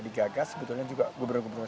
digagas sebetulnya juga gubernur gubernur